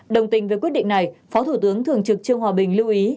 đồng tình với quyết định này phó thủ tướng thường trực trương hòa bình lưu ý